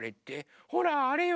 ほらあれよ。